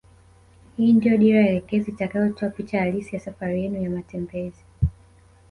Hii ndio dira elekezi itakayotoa picha halisi ya safari yenu ya matembezi